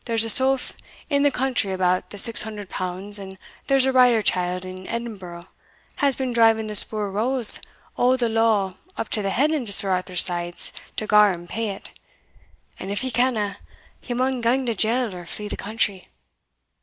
There's a sough in the country about that six hundred pounds, and there's a writer chield in Edinburgh has been driving the spur rowels o' the law up to the head into Sir Arthur's sides to gar him pay it, and if he canna, he maun gang to jail or flee the country.